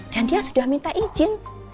dan dia sudah minta izin